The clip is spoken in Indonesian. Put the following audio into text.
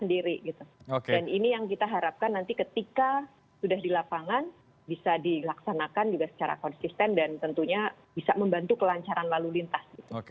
dan ini yang kita harapkan nanti ketika sudah di lapangan bisa dilaksanakan juga secara konsisten dan tentunya bisa membantu kelancaran lalu lintas